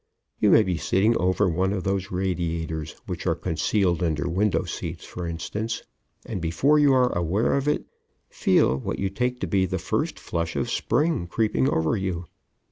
You may be sitting over one of those radiators which are concealed under window seats, for instance, and before you are aware of it feel what you take to be the first flush of Spring creeping over you.